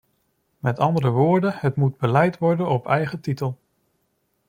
Met andere woorden, het moet beleid worden op eigen titel.